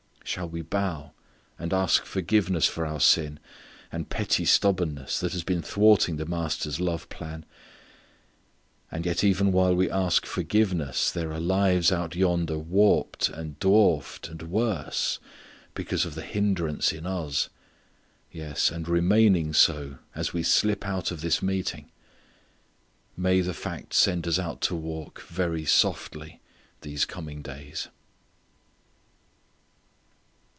Shall we bow and ask forgiveness for our sin, and petty stubbornness that has been thwarting the Master's love plan? And yet even while we ask forgiveness there are lives out yonder warped and dwarfed and worse because of the hindrance in us; yes, and remaining so as we slip out of this meeting. May the fact send us out to walk very softly these coming days.